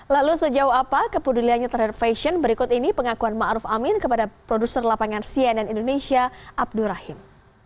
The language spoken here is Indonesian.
lalu sejauh apa kepeduliannya terhadap fashion berikut ini pengakuan ⁇ maruf ⁇ amin kepada produser lapangan cnn indonesia abdur rahim